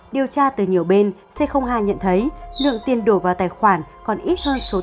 điều tra từ nhiều bên c hai nhận thấy lượng tiền đổi vào tài khoản còn ít hơn suốt năm